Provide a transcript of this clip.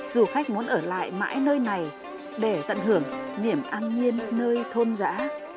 du khách muốn ở lại mãi nơi này để tận hưởng niềm an nhiên nơi thôn giã